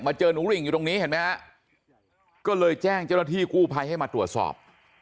เจอหนูริ่งอยู่ตรงนี้เห็นไหมฮะก็เลยแจ้งเจ้าหน้าที่กู้ภัยให้มาตรวจสอบ